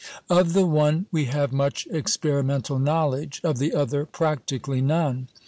Of the one we have much experimental knowledge; of the other, practically none.